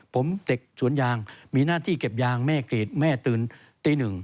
ผมเด็กสวนยางมีหน้าที่เก็บยางแม่กรีดแม่ตื่นตีหนึ่ง